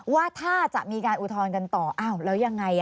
ว่าถ้าจะมีการอุทธรณ์กันต่ออ้าวแล้วยังไง